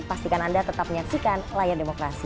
pastikan anda tetap menyaksikan layar demokrasi